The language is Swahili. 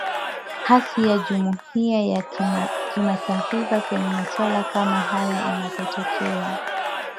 asi ya jumuiya ya kimatifa kwenye masuala kama haya inapotokea